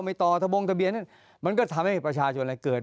ต่อทะบงทะเบียนนั้นมันก็ทำให้ประชาชนอะไรเกิด